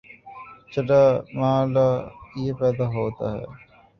چھٹا مألہ یہ پیدا ہوتا ہے